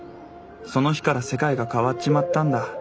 その日から世界が変わっちまったんだ。